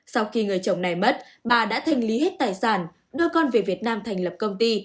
sau khi người chồng này mất bà đã thanh lý hết tài sản đưa con về việt nam thành lập công ty